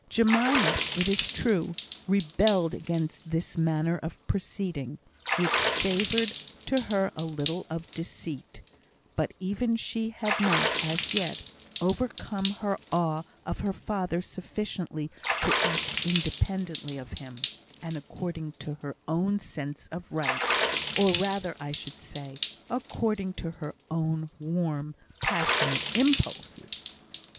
Jemima, it is true, rebelled against this manner of proceeding, which savoured to her a little of deceit; but even she had not, as yet, overcome her awe of her father sufficiently to act independently of him, and according to her own sense of right or rather, I should say, according to her own warm, passionate impulses.